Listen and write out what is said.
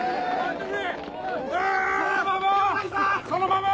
そのまま！